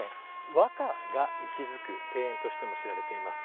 和歌が息づく庭園としても知られています。